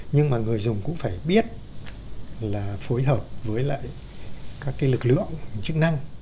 nhưng mà người dùng cũng phải biết là phối hợp với lại các lực lượng chức năng